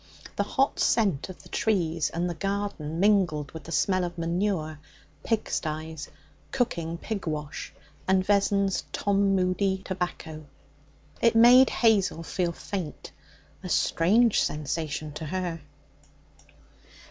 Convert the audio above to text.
The hot scent of the trees and the garden mingled with the smell of manure, pigsties, cooking pig wash and Vessons' 'Tom Moody' tobacco. It made Hazel feel faint a strange sensation to her.